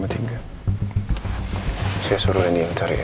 saya suruh nia cari ya